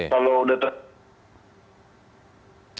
kalau udah terjadi